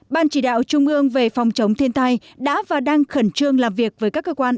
ban chỉ đạo trung ương về phòng chống thiên tai đã và đang khẩn trương làm việc với các cơ quan